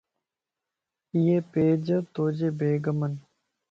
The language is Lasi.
ايي پيج توجي بيگمن